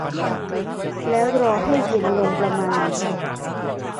แล้วรอให้เย็นลงประมาณ